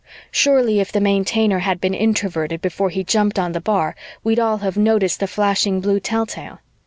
Surely, if the Maintainer had been Introverted before he jumped on the bar, we'd all have noticed the flashing blue telltale.